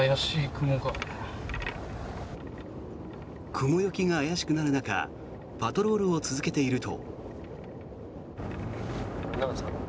雲行きが怪しくなる中パトロールを続けていると。